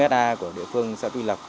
bốn ha của địa phương xã tuy lộc